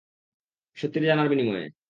সত্যিটা জানার বিনিময়ে।